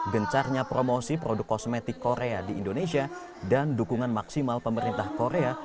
gencarnya promosi produk kosmetik korea di indonesia dan dukungan maksimal pemerintah korea